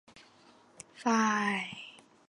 湖北贝母为百合科贝母属下的一个种。